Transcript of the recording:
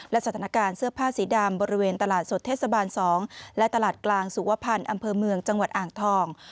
และสถานการณ์เสื้อผ้าสีดำบริเวณตลาดสดเทศบาล๒และตลาดกลางสุวพันธ์อำเภอเมืองจังหวัดอ่างทอง